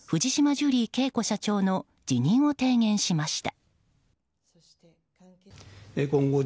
ジュリー景子社長の辞任を提言しました。